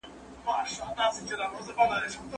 دی اوس پوهېده چې دا غږ د ده د ضمیر ناره وه.